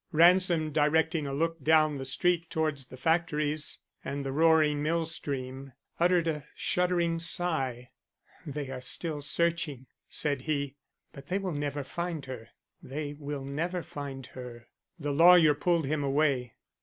Ransom, directing a look down the street towards the factories and the roaring mill stream, uttered a shuddering sigh. "They are still searching," said he. "But they will never find her. They will never find her." The lawyer pulled him away.